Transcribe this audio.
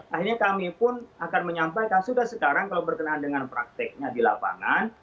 akhirnya kami pun akan menyampaikan sudah sekarang kalau berkenaan dengan prakteknya di lapangan